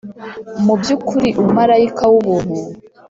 mubyukuri umumarayika wubuntu.